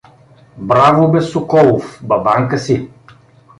— Браво бе, Соколов, бабанка си!